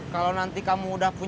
kalau nanti kamu nojek di dan dan